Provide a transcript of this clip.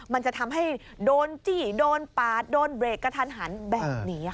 มันจะทำให้โดนจี้โดนปาดโดนเบรกกระทันหันแบบนี้ค่ะ